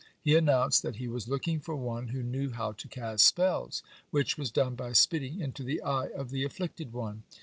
He announced that he was looking for one who knew how to cast spells, which was done by spitting into the eye of the afflicted one.